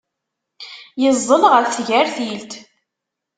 Yeẓẓel ɣef tgertilt.